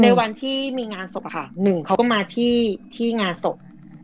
ในวันที่มีงานศพอะค่ะหนึ่งเขาก็มาที่งานศพ